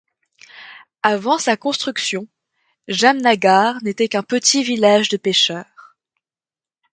Avant sa construction, Jamnagar n'était qu'un petit village de pêcheurs.